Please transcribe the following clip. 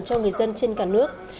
cho người dân trên cả nước